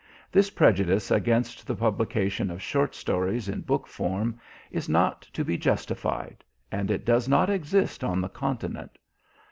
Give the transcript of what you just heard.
This prejudice against the publication of short stories in book form is not to be justified, and it does not exist on the Continent.